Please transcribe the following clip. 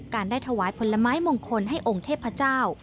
ได้ถวายผลไม้มงคลให้องค์เทพเจ้า